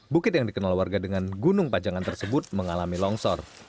bukit yang dikenal warga dengan gunung pajangan tersebut mengalami longsor